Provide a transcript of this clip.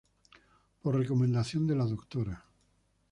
Por recomendación de la Dra.